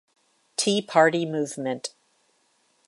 Tea Party movement.